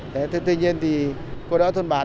thế tuy nhiên thì cô đỡ thôn bản